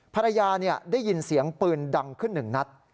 ภรรยาได้ยินเสียงปืนดังขึ้นหนึ่งนัด